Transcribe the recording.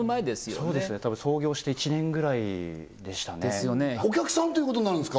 そうですね多分創業して１年ぐらいでしたねお客さんということになるんですか？